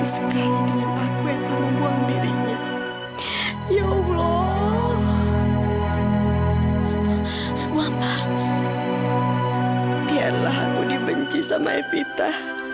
sekali dengan aku yang telah membuang dirinya ya allah wampar biarlah aku dibenci sama evita